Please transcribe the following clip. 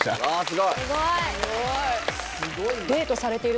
すごい。